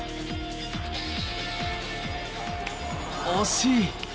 惜しい。